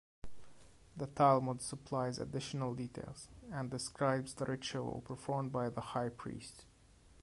The Talmud supplies additional details, and describes the ritual performed by the High Priest.